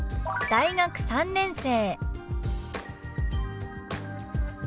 「大学３年生」。